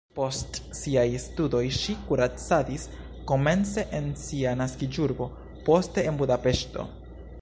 Post siaj studoj ŝi kuracadis komence en sia naskiĝurbo, poste en Budapeŝto.